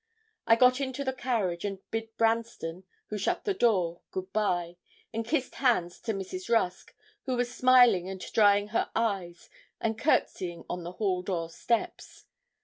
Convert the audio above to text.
I got into the carriage, and bid Branston, who shut the door, good bye, and kissed hands to Mrs. Rusk, who was smiling and drying her eyes and courtesying on the hall door steps.